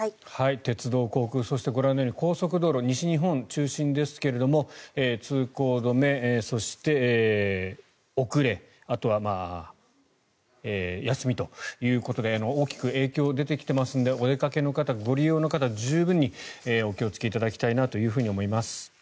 鉄道、航空そしてご覧のように高速道路西日本中心ですけれど通行止めそして、遅れあとは休みということで大きく影響が出てきていますのでお出かけの方、ご利用の方十分にお気をつけいただきたいと思います。